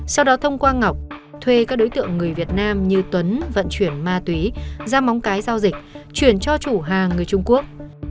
sau đó thông qua ngọc thuê các đối tượng người việt nam như tuấn vận chuyển ma túy ra móng cái giao dịch chuyển cho chủ hàng người trung quốc